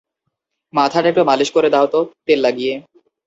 মাথাটা একটু মালিশ করে দেও তো, তেল লাগিয়ে।